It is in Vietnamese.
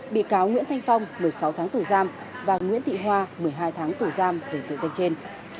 bị cáo nguyễn thanh phong một mươi sáu tháng tù giam và nguyễn thị hoa một mươi hai tháng tù giam về tội danh trên